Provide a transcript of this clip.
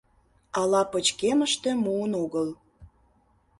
Ала пычкемыште муын огыл.